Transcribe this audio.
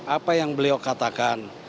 apa yang beliau katakan